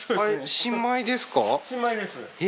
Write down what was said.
新米です。